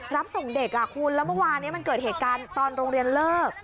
รับส่งเด็กคุณแล้วเมื่อวานนี้มันเกิดเหตุการณ์ตอนโรงเรียนเลิก